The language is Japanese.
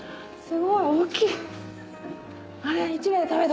すごい大きい。